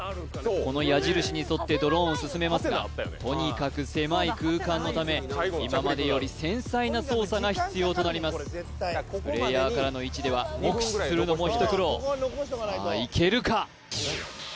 この矢印に沿ってドローンを進めますがとにかく狭い空間のため今までより繊細な操作が必要となりますプレイヤーからの位置では目視するのも一苦労さあいけるか？